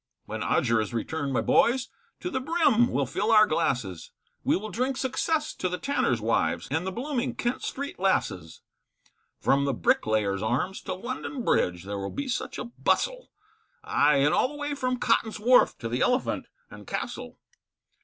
When Odger is returned, my boys, To the brim we'll fill our glasses, We will drink success to the tanners' wives, And the blooming Kent Street lasses; From the Bricklayers' Arms to London Bridge, There will be such a bustle, Aye, and all the way from Cotton's Wharf To the Elephant and Castle.